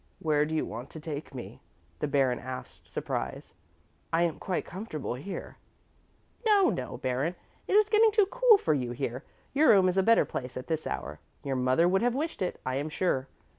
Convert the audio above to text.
"Where do you want to take me?" the Baron asked, surprised. "I am quite comfortable able here." "No, no, Baron, it is getting too cool for you here. Your room is a better place at this hour; your mother would have wished it, I am sure.